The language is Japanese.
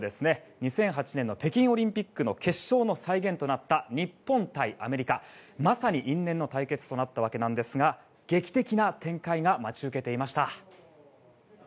２００８年の北京オリンピックの決勝の再現となった日本対アメリカ、まさに因縁の対決となったわけですが劇的な展開が待ち受けていました。